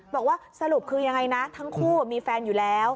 บอกว่าสรุปคือยังไงนะทั้งคู่มีแฟนอยู่แล้ว